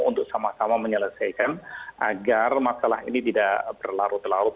untuk sama sama menyelesaikan agar masalah ini tidak berlarut larut